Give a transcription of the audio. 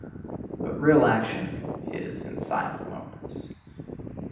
But real action is in silent moments.